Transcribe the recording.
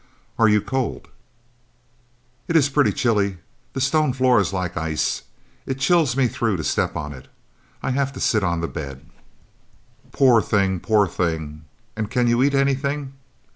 "Are you cold?" "It is pretty chilly. The stone floor is like ice. It chills me through to step on it. I have to sit on the bed." "Poor thing, poor thing. And can you eat any thing?"